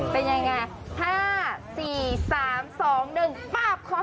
เป็นยังไง๕๔๓๒๑ป๊าบคอ